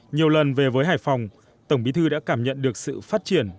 nhiều lần về với hải phòng tổng bí thư đã cảm nhận được sự phát triển